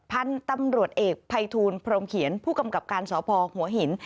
พันธุ์ตำรวจเอกภัยทูลพรมเขียนผู้กำกับการสพหัวหิน